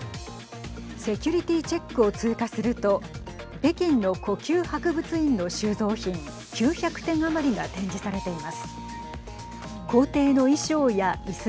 セキュリティーチェックを通過すると北京の故宮博物院の収蔵品９００点余りが展示されています。